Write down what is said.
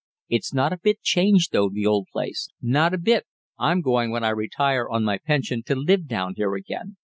It's not a bit changed, though, the old place, not a bit, I'm going, when I retire on my pension, to live down here again.